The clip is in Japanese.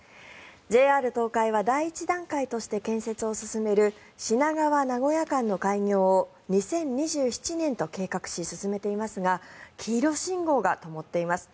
ＪＲ東海は第１段階として建設を進める品川名古屋間の開業を２０２７年と計画し進めていますが黄色信号がともっています。